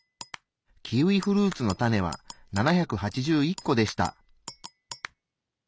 キウイフルーツのタネは７８１個でした。